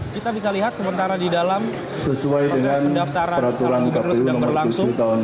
kita bisa lihat sementara di dalam proses pendaftaran calon gubernur sedang berlangsung